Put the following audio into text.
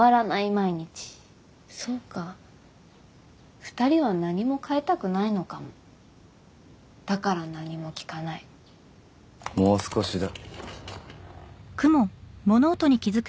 毎日そうか２人は何も変えたくないのかもだから何も聞かない「もう少しだ」